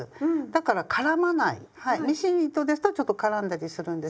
はいミシン糸ですとちょっと絡んだりするんですけど。